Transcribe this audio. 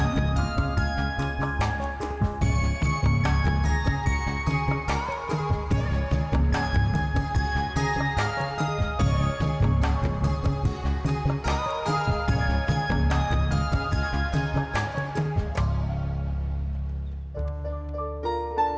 lahkanya ke mali